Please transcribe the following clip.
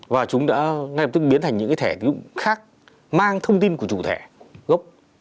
và chúng đã ngay lập tức biến thành những thẻ tín dụng khác mang thông tin của chủ thẻ gốc